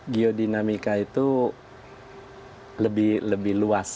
geodinamika itu lebih luas